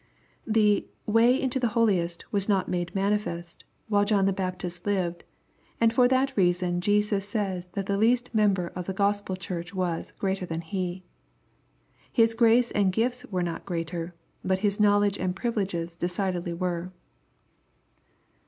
The " way into the holiest was not made manifest," while John the Baptist lived, and for that reason Jesus says that the least member of the Gospel Church was " greater than he." His grace and gifts were not greater, but his knowledge and privileges de cidedly were.